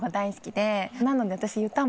なので私。